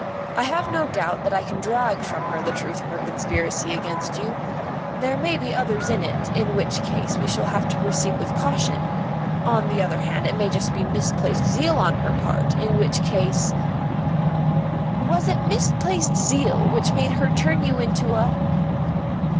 I have no doubt that I can drag from her the truth of her conspiracy against you. There may be others in it, in which case we shall have to proceed with caution; on the other hand, it may be just misplaced zeal on her part, in which case " "Was it misplaced zeal which made her turn you into a